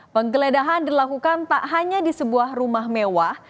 penggeledahan dilakukan tak hanya di sebuah rumah mewah